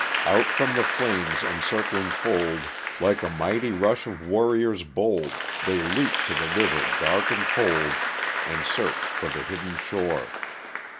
Out from the flame's encircling fold, Like a mighty rush of warriors bold. They leap to the river dark and cold. And search for the hidden shore.